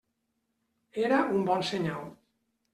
Era un bon senyal.